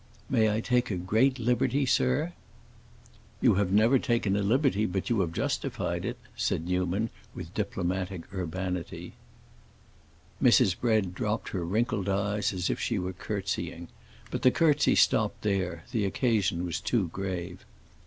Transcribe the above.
"May I take a great liberty, sir?" "You have never taken a liberty but you have justified it," said Newman, with diplomatic urbanity. Mrs. Bread dropped her wrinkled eyelids as if she were curtseying; but the curtsey stopped there; the occasion was too grave.